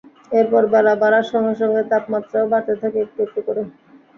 এরপর বেলা বাড়ার সঙ্গে সঙ্গে তাপমাত্রাও বাড়তে থাকে একটু একটু করে।